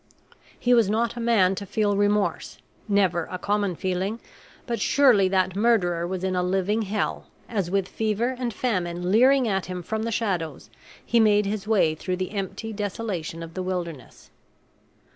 He was not a man to feel remorse never a common feeling; but surely that murderer was in a living hell, as, with fever and famine leering at him from the shadows, he made his way through the empty desolation of the wilderness.